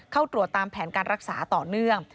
เข้าตรวจตามแผนการรักษาต่อเนื่อง